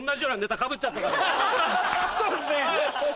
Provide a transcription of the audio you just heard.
そうですね。